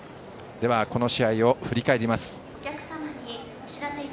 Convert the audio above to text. この試合を振り返ります。